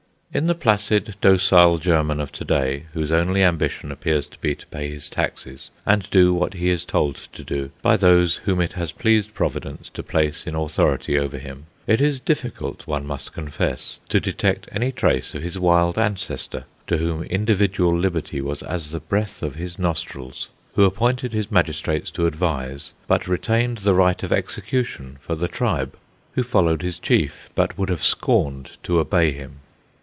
In the placid, docile German of to day, whose only ambition appears to be to pay his taxes, and do what he is told to do by those whom it has pleased Providence to place in authority over him, it is difficult, one must confess, to detect any trace of his wild ancestor, to whom individual liberty was as the breath of his nostrils; who appointed his magistrates to advise, but retained the right of execution for the tribe; who followed his chief, but would have scorned to obey him.